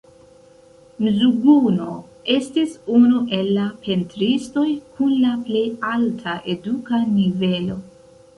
Mzuguno estis unu el la pentristoj kun la plej alta eduka nivelo.